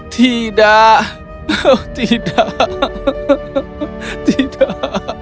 tidak tidak tidak